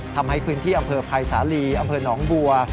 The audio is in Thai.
ทำให้พื้นที่อำเภอภัยสาลีอำเภอหนองบัว